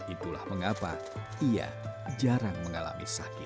itulah mengapa ia jarang mengalami sakit